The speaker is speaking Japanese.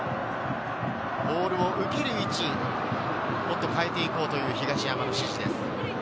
ボールを受ける位置をもっと変えていこうという東山の指示です。